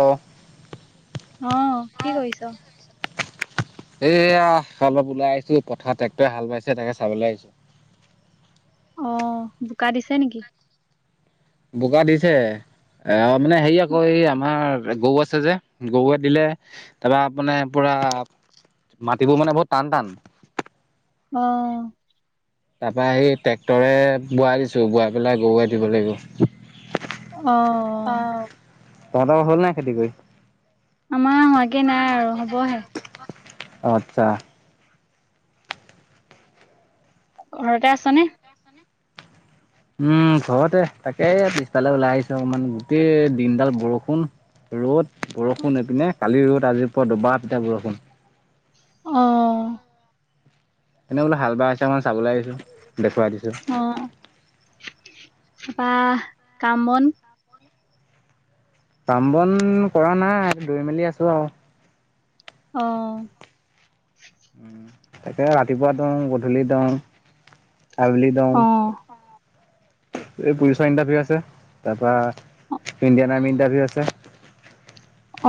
অ'। অ' কি কৰিছোঁ? এইয়া অলপ ওলাই আহিছোঁ পথাৰত ট্ৰেক্টৰে হাল বাইছে তাকে চাবলৈ আহিছোঁ। অ' বোকা দিছে নেকি। বোকা দিছে, অ' মানে হেৰি আকৌ এই আমাৰ গৰু আছে যে গৰুে দিলে তাৰপৰা [unintelligible] পুৰা মাটিবোৰ মানে বহুত টান টান। অ'। তাৰ পৰা সেই ট্ৰেক্টৰে বোৱাই দিছোঁ বোৱাই পেলাই গৰুৱে দিব লাগিব। অ'। তহঁতৰ হ'ল নাই খেতি কৰি। আমাৰ হোৱাকে নাই আৰু হ'বহে। আচ্ছা। ঘৰতে আছানে? উম, ঘৰতে তাকে পিছফালে ওলাই আহিছোঁ অকমান গোটেই দিনডাল বৰষুণ। ৰ'দ বৰষুণ এইপিনে কালি ৰ'দ আজিৰ পুৱা পৰা দবা পিটা বৰষুণ। অ'। এনেই বোলো হাল বাই হৈছে মই চাবলৈ আহিছোঁ দেখুৱাই দিছোঁ। অ বা কাম বন। কাম বন কৰা নাই দৈ মেলি আছোঁ আৰু। অ'। উম, তাকে ৰাতিপুৱা দওঁ গধূলি দওঁ। আবেলি অ দং, এই পুলিচৰ ইণ্টাৰভিউ আছে তাৰপৰা ইণ্ডিয়ান আৰ্মি ইন্টাৰভিউ আছে।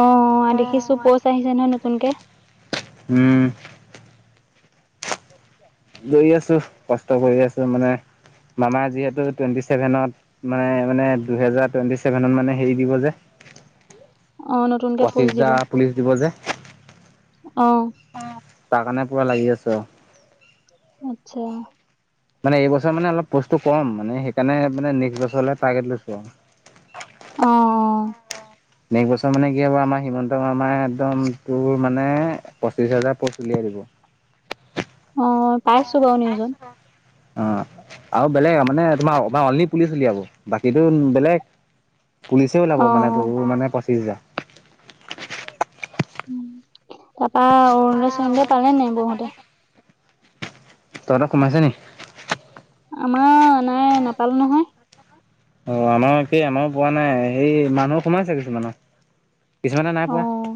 অ' দেখিছোঁ পোচ আহিছে নহয় নতুনকে। উম। [inaudible] গৈ আছোঁ কষ্ট কৰি আছোঁ মানে মামাৰ যিহেতু টুৱেন্টি চেছেভেনত মানে মানে দুহেজাৰ টুৱেন্টি চেছেভেনত মানে হেৰি দিব যে। অ নতুনকে পঁচিছ প'ষ্ট দিব যাৰ পুলিচ দিব যে। অ'। তাৰ কাৰণে পুৰা লাগি আৰু। আচ্ছা। মানে এইবছৰ মানে অলপ বস্তটো কম মানে সেইকাৰণে মানে নেক্স বছৰলে টাৰ্গেট লৈছোঁ। অ', অ'। নেক্সট বছৰ মানে কি হব আমাৰ হিমন্ত মামাৰ একদম তোৰ মানে পঁচিশ হাজাৰ পচলি আছে। [unintelligible] অ অ' পাইছোঁ বাৰু নিউজত। অ' আৰু বেলেগ মানে তোমাৰা অৱাৰ অ'লি পুলিচ ওলাব, বাকীবোৰ বেলেগ পুলিচে অ ওলাব মানে তোৰ মানে পঁচিশ হাজাৰ। উম, তাৰপৰা অৰুণোদয় চৰুণোদয় পালে নে নাই বহুতে। তঁহতৰ সোমাইছি নি? আমাৰ নাই নাপালোঁ নহয়। অ' আমাৰ একেই আমাৰো পোৱা নাই সেই মানুহো সোমাইছে কিছুমানৰ। কিছুমানে নাই পোৱা। অ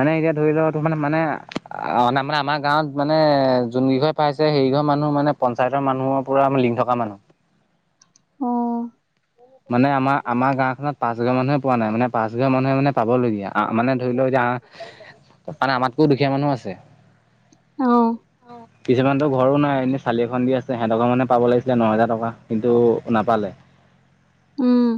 মানে এতিয়া ধৰি ল' তোনে মানে অ' মানে আমাৰ গাঁৱত মানে যোনকেইঘৰ পাইছে সেই ঘ মানুহ মানে পঞ্চায়তৰ মানুহৰপৰা লিংক থকা মানুহ। অ'। মানে আমাৰ আমাৰ গাওখনত পাঁছ হাজাৰ মানুহে পোৱা নাই মানে পাঁচ হাজাৰ মানুহে মানে পাবলগীয়া আ, মানে ধৰি লও আ, মানে আমাতকো দুখীয়া মানুহ আছে। ছে অ'। কিছুমানতো ঘৰো নাই এনেই চালি এখন দি আছে, সিহঁতক মানে পাব লাগিছিলে নহেজাৰ টকা কিন্তু নাপালে। উম।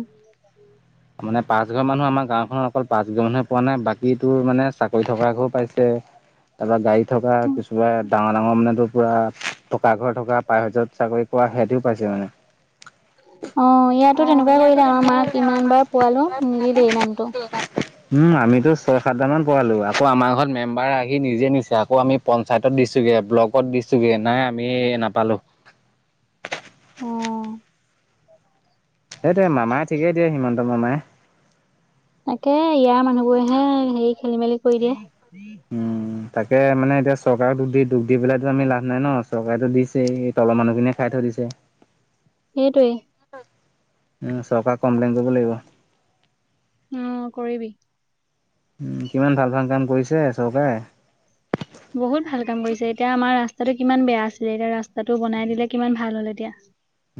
মানে পাঁচঘৰ মানুহ আমাৰ গাঁওখনত অকল পাঁচ ঘৰ মানুহে পোৱা নাই বাকী তো মানে চাকৰি থকাকেও পাইছে তাৰপা গাড়ীত থকা কিছুমান ডাঙৰ ডাঙৰ মানে তোৰ পুৰা টকা ঘৰ থকা, পায় হাজত চাকৰি কৰা সিহঁতিও পাইছে মানে। অ' ইয়াতো তেনেকুৱাই কৰিলে। আমাৰ মাক ইমানবাৰ পোৱালো নিদিলে এই নামটো। উম, আমিতো ছয় সাতটামান পোৱালো আকৌ আমাৰ ঘৰত মেম্বাৰ আহি নিজে নিছে, আকৌ আমি পঞ্চায়তত দিছগে, ব্লগত দিছোগে নাই আমি নাপালোঁ। অ', হেইটোৱে মামাই ঠিকেই দিয়ে, হিমন্ত মামাই। তাকে, ইয়াৰ মানুহবোৰেহে হেৰি খেলি মেলি কৰি দিয়ে। উম তাকে মানে এতিয়া চৰকাৰক দুখ দি দুখ দি পেলাইতো আমি লাভ নাই ন' চৰকাৰেতো দিছে, এই তলৰ মানুহখিনিয়ে খাই থৈ দিছে। হেইটোৱেই। উ, চৰকাৰ কমপ্লেন কৰিব লাগিব। উম, কৰিবি। উ, কিমান ভাল ভাল কাম কৰিছে চৰকাৰে। বহুত ভাল কাম কৰিছে, এতিয়া আমাৰ ৰাস্তাটো কিমান বেয়া আছিলে এতিয়া ৰাস্তাটো বনাই দিলে কিমান ভাল হ'ল এতিয়া।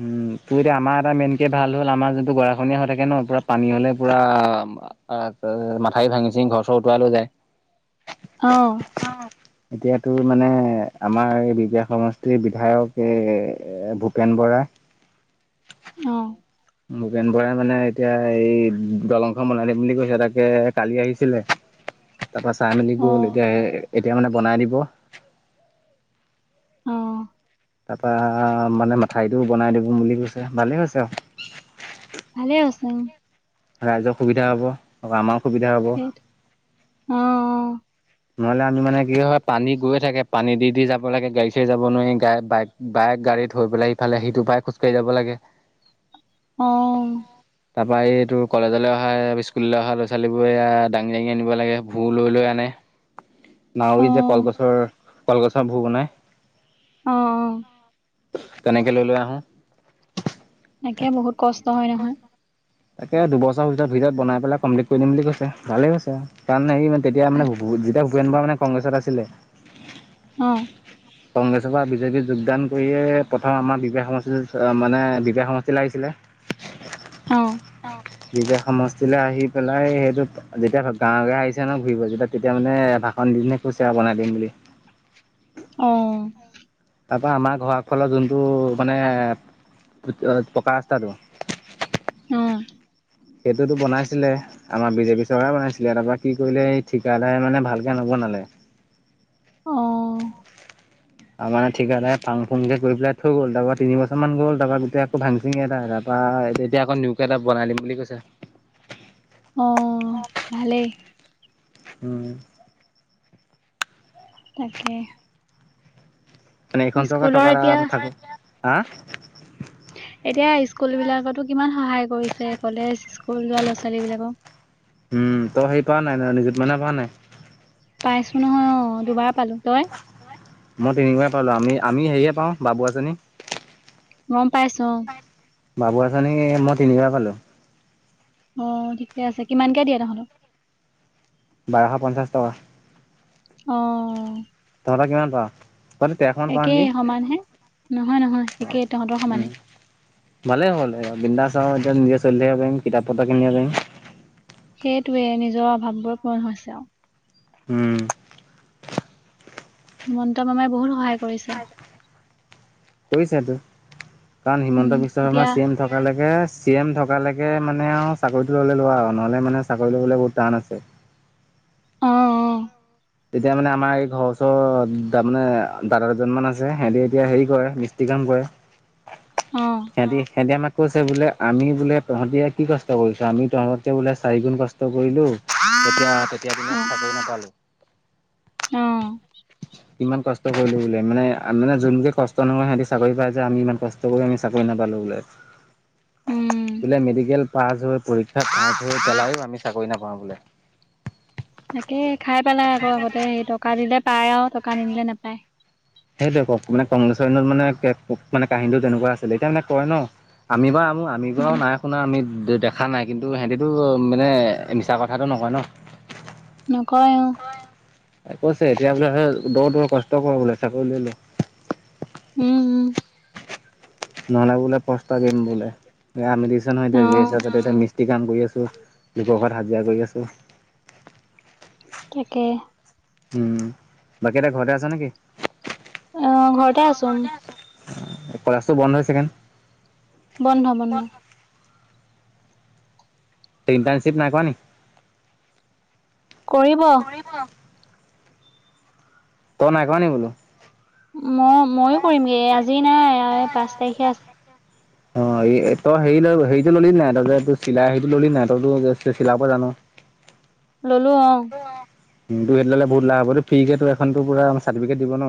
উম, তোৰ এতিয়া আমাৰ এটা মেইনকে ভাল হ'ল আমাৰ যোনটো গৰাখহনীয়া হৈ থাকে ন' পুৰা পানী হ'লে পুৰা আ, মাথাউৰি ভাঙি চিঙি ঘৰ চৰ উতুৱা লৈ যায়। অ'। এতিয়াতো মানে আমাৰ এই বিহপয়া সমষ্টিৰ বিধায়ক এই ভূপেন বৰাই অ'। ভূপেন বৰাই মানে এতিয়া এই দলংখন বনাই দিম বুলি কৈছে, তাকে কালি আহিছিলে। তাৰ পৰা চাই মেলি গ'ল, অ', এতিয়া এতিয়া মানে বনাই দিব। অ', তাৰাপা মানে মাথাউৰিটো বনাই দিব বুলি কৈছে, ভালে হৈছে আৰু। ভালে হৈছে উম। ৰাইজৰ সুবিধা হ'ব আৰু আমাৰ সেইটো, অ', অ'। নহলে আমি মানে কি হয় পানী গৈ থাকে পানী দি দি যাব লাগে গাড়ী চাৰি যাব নোৱাৰি, বাইক বাইক গাড়ী থৈ পেলাই ইফালে সেইটো পাৰে খোজকাঢ়ি যাব লাগে। অ'। তাৰপা এই তোৰ কলেজলৈ অহা, স্কুললৈ অহা ল'ৰা ছোৱালীবোৰে এয়া দাঙি দাঙি আনিব লাগে, ভূ লৈ লৈ আনে। অ', নাৱৰি যে অ', কলগছৰ কলগছৰ ভোৰ বনাই। অ', অ'। তেনেকে লৈ লৈ আহোঁ। তাকে বহুত কষ্ট হয় নহয়। তাকে দুবছৰৰ ভিতৰত ভিতৰত বনাই পেলাই কমপ্লিট কৰি দিম বুলি কৈছে, ভালেই হৈছে কাৰণ হেৰি মানে তেতিয়া ভাল। মানে ভু-ভূপন বৰা মানে কংগ্ৰেছত আছিলে। অহ কংগ্ৰেছৰ পৰা বিজেপিত যোগদান কৰিয়ে প্ৰথম আমাৰ বিবে সমষ্টিত মানে বিবে সমষ্টিলে আহিছিলে। অহ [unintelligible] সমষ্টিলৈ আহি পেলাই সেইটো যেতিয়া গাঁও গাওঁ আহিছে ন ঘূৰিব যেতিয়া তেতিয়া মানে ভাষ পণ্ডিতনে কৈছে বাই দিম বুলি অহ তাৰপৰা আমাৰ ঘৰৰ ফালৰ যোনটো মানে পকা ৰাস্তাটো উম। সেইটোতো বনাইছিলে আমাৰ বিজেপি চৰকাৰে বনাইছিলে তাৰ পৰা কি কৰিলে এই ঠিকাদাৰে মানে ভালকে নবানালে নালে। অহ আৰু মানে ঠিক ভাং ফুংকে কৰি পাই থৈ গ'ল। তাৰপৰা তিন বছৰমান গল তাৰপৰা গোট আকৌ ভাং চিঙি এটা তাৰৰা বা এতিয়া আকৌ নিউকে এটা বনাই দিম বুলি কৈছে। অহ ভালেই। উহ। তাকে। মানে এইখন [unintelligible] টকা স্কুলৰ এতিয়া থাকে হা এতিয়া স্কুল বিলাকতো কিমান সহায় কৰিছে কলেজ স্কুল যোৱা ল'ৰা ছোৱালী বিলাকক। [inaudible] উম, তো সেই হেৰি কৰা নাই ন নিযুতম ইনা কৰা নাই। পাইছো নহয় অ', দুবাৰ পালো তই মই তিনিবাৰ পালো আমি আমি হেৰিয়ে পাওঁ বাবু আঁচনি। গম পাইছোঁ অ'। বাবু আঁচনি মই তিনিবাৰ পালো। অহ ঠিকে আছে, কিমানকে দিয়ে তহঁতক। বাৰশ পঞ্চাছ টকা। অ'হ। তহঁতে কিমান পাঅ। একেই সমান হে নহয় নহয় একেই তহঁতৰ সমানেই। ভালে হ'ল বিন্দাছ এতিয়া নিজে চলি থাকিব পাৰিম কিতাপ পত্ৰ কিনিব পাৰিম। সেইটোৱে নিজৰ অভাৱবোৰ পূৰণ হৈছে আৰু। উম। হিমন্ত মামাই বহুত সহায় কৰিছে। কৰিছে তটো কাৰণ উম হিমন্ত বিশ্ব শৰ্মা এতিয়া চি এম থকালৈকে চি এম থকালৈকে মানে আৰু চাকৰিটো ল'লে লোৱা আৰু নহ'লে মানে চাকৰি ল'বলৈ বহুত টান আছে। অ', অ'। তেতিয়া মানে আমাৰ এই ঘৰ ওচৰৰতৰ মানে দাদা দুজন মান আছে সিহঁতি এতিয়া হেৰি কৰে মিস্ত্ৰী কাম অ', সিহঁতি সিহঁতি আমাক কৈছে বোলে আমি বোলে তহঁতি কি কষ্ট কৰিছ আমি তহঁতে বোলে চাৰিগুণ কষ্ট কৰিলো। তেতিয়া তেতিয়া দিনত চাকৰি নাপালো। উম। ইমান কষ্ট কৰিলো বোলে মানে মানে যোনোকে কষ্ট নহয় সিহতি চাকৰি পায় যে আমি ইমান কষ্ট কৰি আমি চাকৰি নাপাওঁ। উম বোলে মেডিকেল পাছ হৈ পৰীক্ষা পাছ হৈ পেলাই আমি চাকৰি নাপাওঁ বোলে। তাকে খাই পেলাই আকৌ আগতে সেই টকা দিলে পায় আৰু টকা নিদিলে নোপায়। সেইটোৱে কওক মানে কংগ্ৰেছৰত মানে মানে কাহিনীও তেনেকুৱা আছিলে এতিয়া মানে কয় ন। আমি আমি বাৰু উম নাই শুনা আমি দেখা নাই কিন্তু সিহঁতেতটো মানে মিছা কথাটো নকয় ন। নকয়। অ কৈছে এতিয়া বোলে দৌৰ দৌৰ কষ্ট কৰ বোলে চাকৰিলৈ‌ ল'। উম উম। নহলে বোলে পস্তা দিম বোলে আমিলি। নয় এ অ এতিয়া মিস্ত্ৰী কাম কৰি আছো লোকৰ ঘৰত হাজিৰা কৰি আছো। তাকে। উম বাকী এয়া ঘৰতে আছ নেকি। অ ঘৰতে আছো। কলেজটো বন্ধ হৈ চাকেণ্। বন্ধ বন্ধ। টাৰশ্বিপ নাই কোৱা কৰিব নেকি। ত নাই কোৱা নী বোলো। মই মইয়ো কৰিমগে আজি নাই পাঁচ তাৰিখে আছে। অ তই হেৰি হেৰিটো ললি নাই তই চিলাই সটো ললি নাই তইো চিলাব জানো। ললো অ। উ ত সেইটো ললে বহুত লা হব ফ্ৰী কেে ত এো প চাৰ্টিফিকেট দিব ন।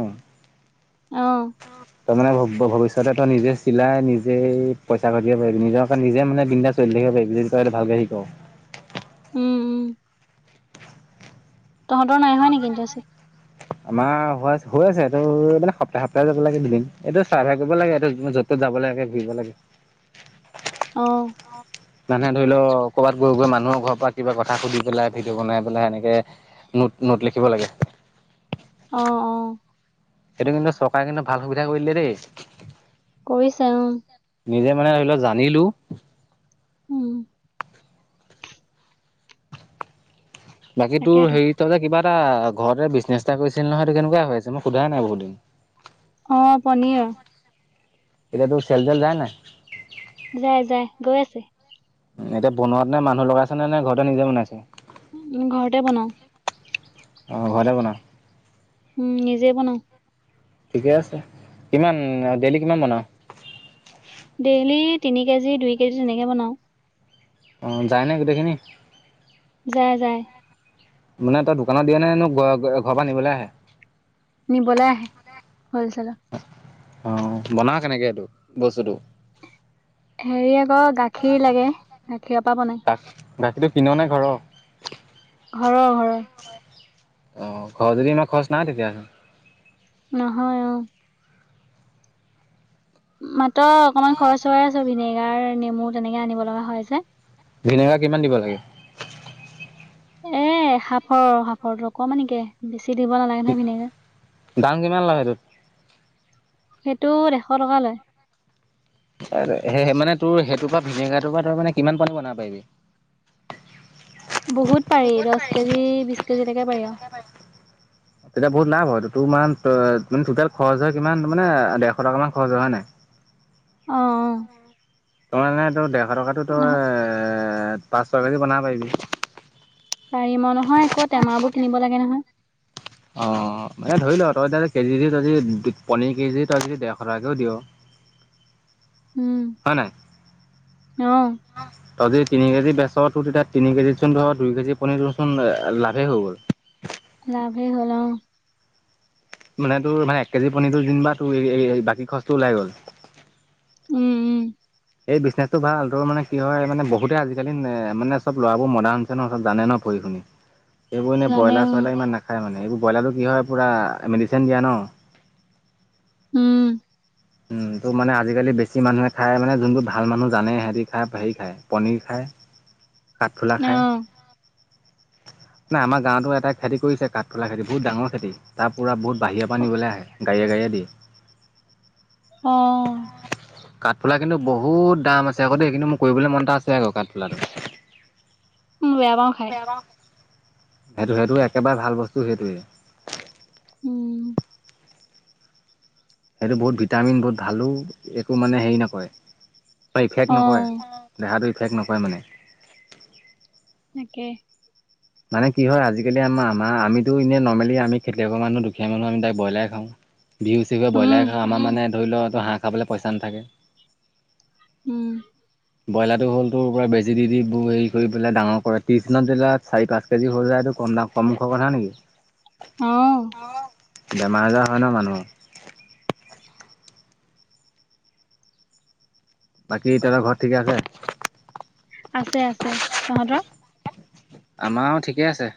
আহ। ত মানে ভৱিষ্যতে তই নিজে চিলাই নিজে পইচা কাটতিিব পাৰিবি নিজৰ কাৰণে নিজে মানে বিন্ন্দা চল। এক্ট কৰালে ভালে শিকওঁ। [inaudible] উম উম। তহঁতৰ নাই হয় নেকি এন্তচিত। আমাৰ হৈ আছে এইটো মানে সপ্তাহ সপ্তাহ যাব লাগে দুদিন এইটো চাৰ্ভাই কৰিব লাগে এইটো যত। যাব লাগে ঘুৰিব লাগে। [inaudible] অ মানুহে ধৰি লও ক'ৰবাত গৈ গৈ মানুহৰ ঘৰৰ পৰা কিবা কথা সুধি পেলাই ভিডিঅ' বনাই পেলাই এনেকে নোট নোট লিখিব লাগে অ অ সেইটো কিন্তু চৰকাৰে কিন্তু ভাল সুবিধা কৰিলে দেই কৰিছে অ নিজে মানে ধৰি লও জানিলো উম বাকী তোৰ তাকেতো হেৰিত যে কিবা কিবা ঘৰতে বিজনেছ এটা কৰিছিল নহয়টো কেনেকুৱা হৈ আছে মই সোধাই নাই বহুত দিন অ পনিৰ অ এতিয়া তোৰ চেল জেল যায় নাই যাই যায় গৈ আছে এতিয়া বনোৱাত নে মানুহ লগাইছে নে নে ঘৰতে নিজে বনাইছে ঘৰতে বনাও অ ঘৰতে বনায় উম নিজে বনাওঁ ঠিকে আছে কিমান দেইেলি কিমান বনাও ডেইলি তিনি কেজি দুই কেজি তেনেকে বনাও অ যায়নে গোটেইখিনি যায়াই যায় মানে তই দোকানত দিয়ে নে নো ঘ ঘৰ পৰা আনিবলৈ আহে নিবলৈ আহে হ'ল চেল অ বনাও কেনেকে এইটো বস্তুটো হেৰি আকৌ গাখীৰ লাগে গাখীৰৰ পৰা বনাই গাখীটো কিনোৱা নাই ঘৰৰ ঘৰৰ ঘৰৰ অ' ঘৰ যদি ইমান খৰচ নাই তেতিয়া হ'লে। নহয় অ'। মাত্ৰ অকনমান খৰচ হৈ আছে। ভিনেগাৰ, নেমু তেনেকে আনিব লগা হয় যে। ভিনেগাৰ কিমান দিব লাগে। এ, হাফৰ হাফৰটো অকমানিকে দিছে। দি দিব নালাগে নহয় ভিনেগাৰ। দাম কিমান লয় সেইটোত? সেইটোত এশ টকা লয়। কাইলৈ হে-হেই মানে তোৰ সেইটোৰপৰা ভিনেগাৰটোৰপৰা তই মানে কিমান পানী বনাব পাৰিবি? বহুত পাৰি, দছ কেজি বিছ কেজিলৈকে পাৰি আৰু। তেতিয়া বহুত লাভ হয়টো, তোৰ ইমান টোটেল খৰচ হয় কিমান মানে ডেৰশ টকা মান খৰচ হয় হয় নাই? অ', অ'। অ' এনে তোৰ ডেৰশ টকাটো তই নহয় পাঁচ, ছয় কেজি বনাব পাৰিবি। পৰিমো নহয় আকৌ টেমাবোৰ কিনিব লাগে নহয়। অ'। অ' মে ধৰি ল' তই কেজি দি তই য পনীৰ কেজি তই যদি ডেৰশ টকাকেও দিয় উম, হয় নাই? অ'। তই যদি তিনি কেজি বেচ তোৰ তেতিয়া তিনি কেজিত চোন ধৰ দুই কেজি পনীৰ দেচোন লাভেই হৈ গ'ল। লাভেই হ'ল অ'। মানে তোৰ মানে এক কেজি পনীৰটোৰ যেনিবা তোৰ বাকী খৰটো ওলাই গ'ল। উম উম এই বিজনেছটো ভাল তোৰ মানে কি মানে বহুতে আজিকালি এ, মানে চব ল'ৰাবোৰ মডাৰ্ণ হৈছে ন জানে ন এইেইবোৰ এনে জানে ব্ৰইলাৰ উম চইলাৰ ইমান নাখায় মানে। এইবোৰ ব্ৰইলাৰটো কি হয় পূৰা মেডিচিন দিয়া ন'। উম। উম, ত' মানে আজিকালি বেছি মানুহে খাই মানে যোনবোৰ ভাল মানুহ জানে সিহঁতি খায় হেৰি খাই পনীৰ খাই [inaudible] কাঠফুলা খায়। মানে আমাৰ গাঁৱতো এটা খেতি কৰিছে কাঠফুলা খেতি, বহুত ডাঙৰ খেতি তাৰ পুৰা বহুত বাহিৰৰপৰা নিবলৈ আহে, গাড়ীয়ে গাড়ীয়ে দিয়ে। অ'। কাঠফুলা কিন্তু বহুত দাম আছে আকৌদে, কিন্তু মোৰ কৰিবলৈ মন এটা আছে আকৌ কাঠফুলাটো। মো বেয়া পাওঁ খাই। হেইটো হেইটো একেবাৰে ভাল বস্তু হেইটেৱেই। উম। সেইটো বহুত ভিটামিন, বহুত ভালো একো মানে হেৰি নকৰে। অ, ইফেক্ট নকৰে, দেহাটোৰ ইফেক্ট নকৰে মানে। তাকে। মানে কি হয় আজিকালি আমাৰ আমাৰ আমিতো এনেই নৰ্মেলি আমি খেতিয়কৰ মানুহ, দুখীয়া মানুহ আমি তাই ব্ৰইলাৰ খাওঁ। বিহু চিহুৱে উম, ব্ৰইলাৰ খাওঁ। আমাৰ মানে ধৰি লওঁ তোৰ হাঁহ খাবলৈ পইচা নাথাকে। উম। ব্ৰইলাৰটো হ'ল তোৰ পোৰা বেজী দি দি হেৰি কৰি পেলাই ডাঙৰ কৰে, ত্ৰিছদিনত চাৰি পাঁচ কেজি হ'ল যা কম দাম কম খবৰ হয়া নেকি। অ'। বেমাৰ আজাৰ হয় ন' মানুহ বাকী তহঁতৰ ঘৰত ঠিকে আছে? আছে আছে। তহঁতৰ? আমাৰো ঠিকেই আছে।